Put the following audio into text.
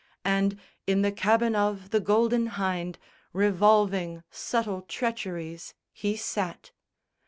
And in the cabin of the Golden Hynde Revolving subtle treacheries he sat.